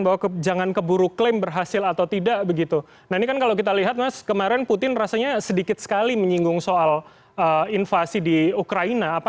bagaimana presiden jokowi itu menjalankan amanatnya